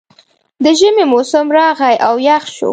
د ژمي موسم راغی او یخ شو